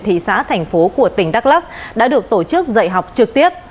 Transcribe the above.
thị xã thành phố của tỉnh đắk lắc đã được tổ chức dạy học trực tiếp